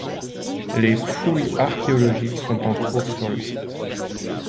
Les fouilles archéologiques sont en cours sur le site.